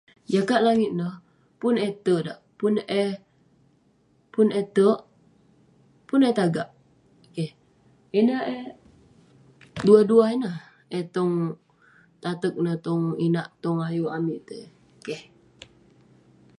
Jakak langit neh, pun eh terk dak..pun eh, pun eh terk, pun eh tagak..keh, ineh eh..duwah duwah eh tong, tateg neh tong inak, tong ayuk amik.. keh..